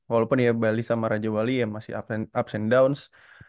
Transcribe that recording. walaupun ya bali sama raja bali ya masih up and downs